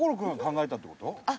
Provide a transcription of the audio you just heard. えっ？